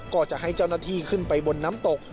ก็จะให้เจ้าหน้าที่ขึ้นไปบนน้ำตก